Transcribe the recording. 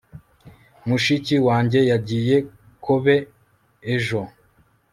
mushiki wanjye yagiye kobe ejo